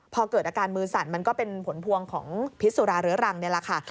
พอเกิดอาการมือสั่นมันก็เป็นผลพวงของพิษสุราเรื้อรังนี่แหละค่ะ